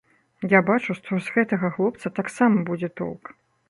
Я бачу, што з гэтага хлопца таксама будзе толк.